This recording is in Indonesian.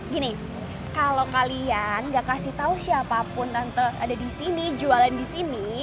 gini kalau kalian gak kasih tau siapapun nanti ada di sini jualan di sini